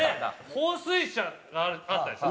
放水車があったでしょ？